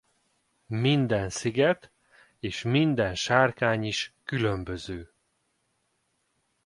Minden sziget és minden sárkány is különböző.